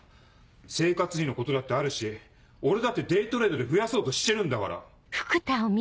生活費のことだってあるし俺だってデイトレードで増やそうとしてるんだから。